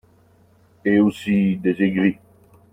Et aussi des aigris